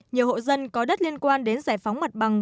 nhiều hộ dân có đất liên quan đến giải phóng mặt bằng